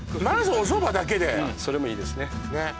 まずお蕎麦だけでそれもいいですね